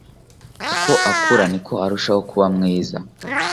uko akura, niko arushaho kuba mwiza